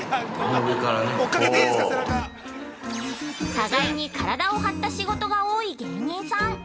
◆互いに体を張った仕事が多い芸人さん。